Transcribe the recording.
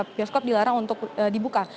bioskop dilarang untuk dibuka